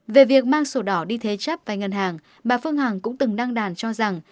về việc mang sổ đỏ đi thế chấp vay ngân hàng bà phương hằng cũng từng đăng đàn cho rằng